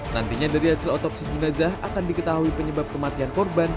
nantinya dari hasil otopsi jenazah akan diketahui penyebab kematian korban